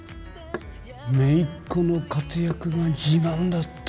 姪っ子の活躍が自慢だったよ。